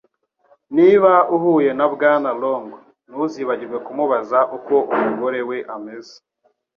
Niba uhuye na Bwana Long, ntuzibagirwe kumubaza uko umugore we ameze.